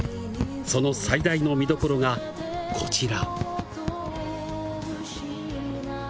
その最大の見どころが、こちら。